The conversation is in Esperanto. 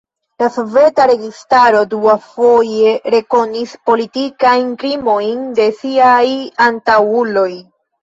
La soveta registaro unuafoje rekonis politikajn krimojn de siaj antaŭuloj.